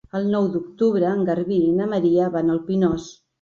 El nou d'octubre en Garbí i na Maria van al Pinós.